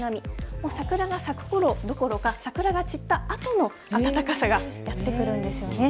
もう桜が咲くころどころか、桜が散ったあとの暖かさがやって来るんですよね。